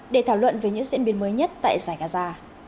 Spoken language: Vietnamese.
để thảo luận về những diễn biến mới nhất tại giải gaza